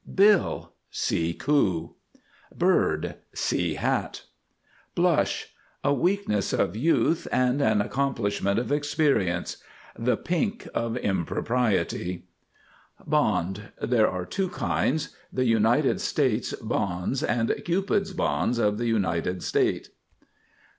BILL. See coo. BIRD. See hat. BLUSH. A weakness of youth and an accomplishment of experience. The pink of impropriety. BOND. There are two kinds. The United States bonds and Cupid's bonds of the united state.